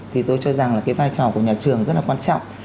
thì tôi cho rằng là cái vai trò của nhà trường rất là quan trọng